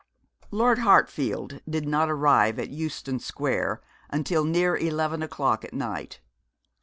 Lord Hartfield did not arrive at Euston Square until near eleven o'clock at night.